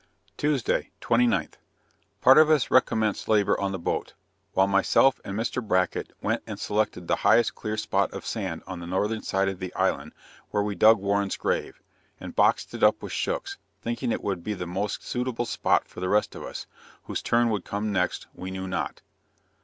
Tuesday, 29th. Part of us recommenced labor on the boat, while myself and Mr. Bracket went and selected the highest clear spot of sand on the northern side of the island, where we dug Warren's grave, and boxed it up with shooks, thinking it would be the most suitable spot for the rest of us whose turn would come next, we knew not.